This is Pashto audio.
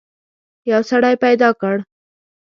یو سړی پیدا کړ.